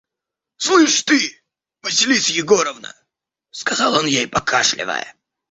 «Слышь ты, Василиса Егоровна, – сказал он ей покашливая.